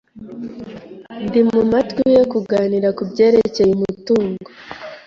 Ndi mumatwi ye kuganira 'kubyerekeye umutungo